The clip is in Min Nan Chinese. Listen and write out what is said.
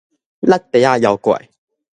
橐袋仔妖怪